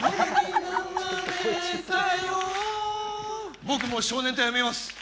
僕、もう少年隊辞めます。